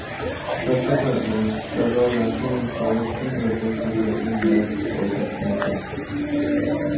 Subsequently, several Russian and Polish composers have written lyrics for this music.